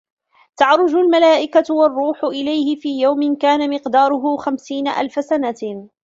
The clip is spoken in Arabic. تَعرُجُ المَلائِكَةُ وَالرّوحُ إِلَيهِ في يَومٍ كانَ مِقدارُهُ خَمسينَ أَلفَ سَنَةٍ